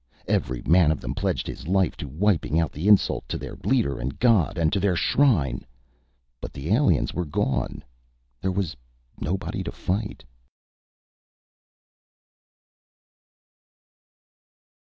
Every man of them pledged his life to wiping out the insult to their leader and god, and to their shrine. But the aliens were gone. There was nobody to fight.